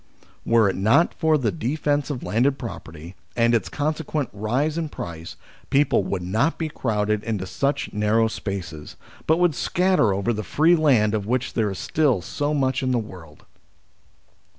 Were, it not for the defence of landed pro perty and its consequent rise in price, people would not be crowded into such narrow spaces, but would scatter over the free land of which there is still so much in the world.